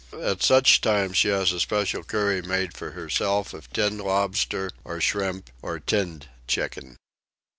At such times she has a special curry made for herself of tinned lobster, or shrimp, or tinned chicken.